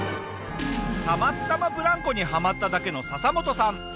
たまたまブランコにはまっただけのササモトさん。